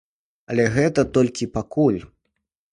Але гэта толькі пакуль.